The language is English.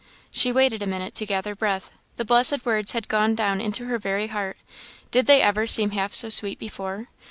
She waited a minute to gather breath. The blessed words had gone down into her very heart; did they ever seem half so sweet before?